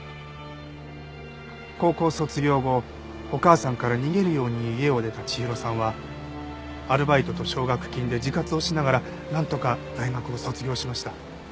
高校卒業後お母さんから逃げるように家を出た千尋さんはアルバイトと奨学金で自活をしながらなんとか大学を卒業しました。